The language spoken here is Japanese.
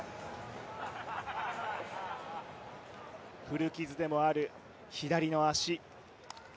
古傷でもある左の足。